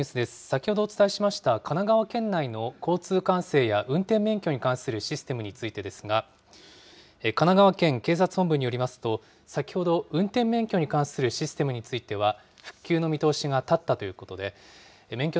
先ほどお伝えしました、神奈川県内の交通管制や、運転免許に関するシステムについてですが、神奈川県警察本部によりますと、先ほど、運転免許に関するシステムについては、復旧の見通しが立ったということです。